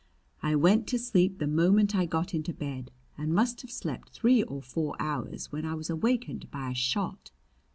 I went to sleep the moment I got into bed, and must have slept three or four hours when I was awakened by a shot.